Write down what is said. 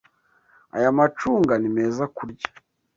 Aya macunga ni meza kurya.